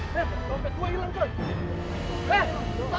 lihat itu parametersnya